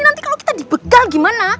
nanti kalau kita dibegal gimana